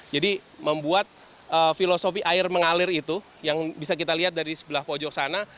jadi membuat filosofi air mengalir itu yang bisa kita lihat dari sebelah pojok sana